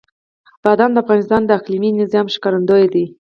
بادام د افغانستان د اقلیمي نظام ښکارندوی ده.